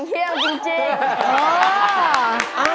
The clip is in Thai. เที่ยวจริง